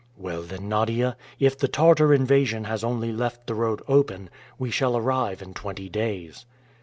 "Well then, Nadia, if the Tartar invasion has only left the road open, we shall arrive in twenty days."